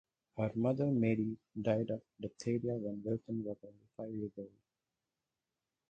Her mother Mary died of diphtheria when Wilson was only five years old.